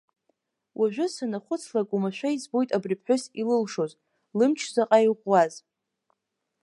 Уажәы санахәыцлак умашәа избоит абри аԥҳәыс илылшоз, лымч заҟа иӷәӷәаз.